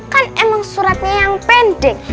kan emang suratnya yang pendek